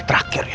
eh terakhir ya